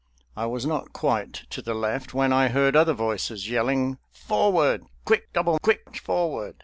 I was not quite to the left, when I heard other voices yelling, "Forward! quick! double quick! forward!"